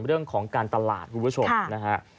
เรื่องของการตลาดคุณผู้ชมนะฮะ